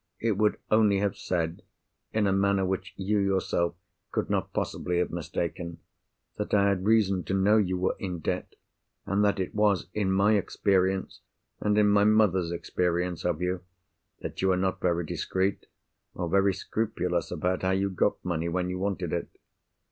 It would only have said—in a manner which you yourself could not possibly have mistaken—that I had reason to know you were in debt, and that it was in my experience and in my mother's experience of you, that you were not very discreet, or very scrupulous about how you got money when you wanted it.